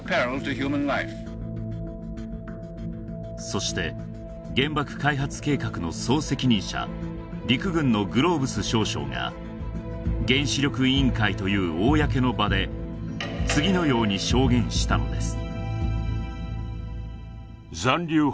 そして原爆開発計画の総責任者陸軍のグローブス少将が原子力委員会という公の場で次のように証言したのです